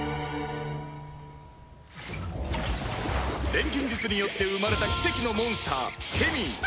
錬金術によって生まれた奇跡のモンスターケミー